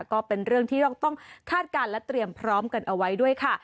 ก็เป็นเรื่องที่เราต้องคาดการณ์และเตรียมพร้อมกันเอาไว้ด้วยค่ะ